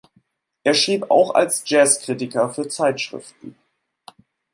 Er schrieb auch als Jazzkritiker für Zeitschriften.